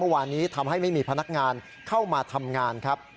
วานนี้ทำให้ไม่มีพนักงานเข้ามาทำงานครับ